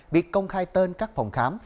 việc công khai tên các phòng khám